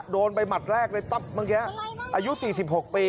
โดนไปหัดแรกเลยตับเมื่อกี้อายุ๔๖ปี